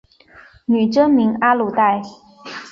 女真名阿鲁带。